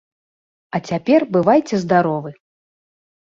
А цяпер бывайце здаровы!